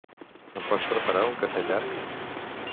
Em pots preparar un cafè llarg?